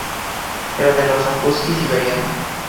Era de raza husky siberiano.